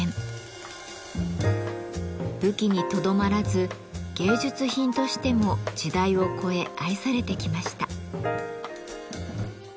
武器にとどまらず芸術品としても時代を越え愛されてきました。